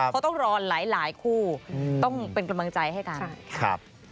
เขาต้องรอหลายคู่ต้องเป็นกำลังใจให้กัน